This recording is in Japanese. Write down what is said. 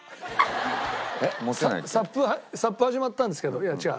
ＳＵＰ始まったんですけどいや違う。